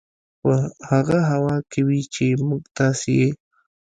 په هغه هوا کې وي چې موږ تاسې یې